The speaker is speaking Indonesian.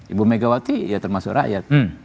ibu megawati ya termasuk rakyat